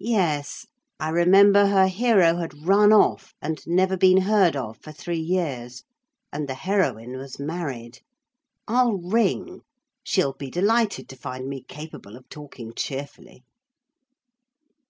Yes: I remember her hero had run off, and never been heard of for three years; and the heroine was married. I'll ring: she'll be delighted to find me capable of talking cheerfully.